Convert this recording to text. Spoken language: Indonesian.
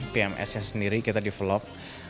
pmsnya sendiri kita develop